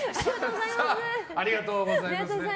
ありがとうございます。